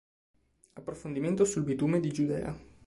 Approfondimento sul bitume di Giudea